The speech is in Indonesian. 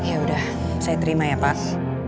ya udah saya terima ya pas